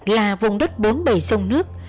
là vùng đất bốn bầy sông nước